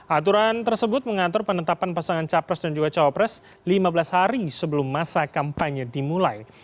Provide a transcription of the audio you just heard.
aturan tersebut mengatur penetapan pasangan capres dan juga cawapres lima belas hari sebelum masa kampanye dimulai